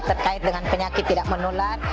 terkait dengan penyakit tidak menular